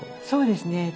そうですね。